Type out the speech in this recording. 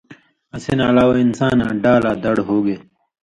اسی نہ علاوہ انساناں ڈا لا دڑ ہوگے